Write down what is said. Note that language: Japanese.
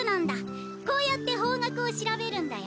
こうやって方角を調べるんだよ。